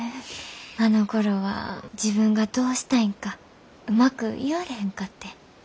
あのころは自分がどうしたいんかうまく言われへんかって。